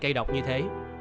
cây đọc như thế